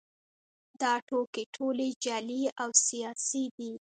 دا ټوکې ټولې جعلي او سیاسي دي